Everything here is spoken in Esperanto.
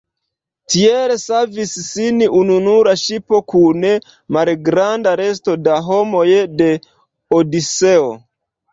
Tiel savis sin ununura ŝipo kun malgranda resto da homoj de Odiseo.